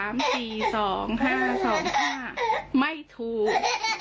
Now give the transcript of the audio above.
ไม่ถูก